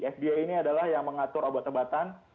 fbo ini adalah yang mengatur obat obatan